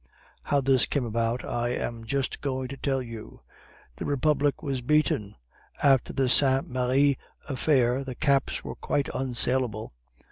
How this came about I am just going to tell you. The Republic was beaten. After the Saint Merri affair the caps were quite unsalable.